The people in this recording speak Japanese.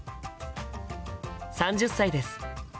３０歳です。